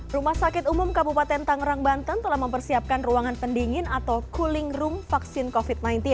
rumah sakit umum kabupaten tangerang banten telah mempersiapkan ruangan pendingin atau cooling room vaksin covid sembilan belas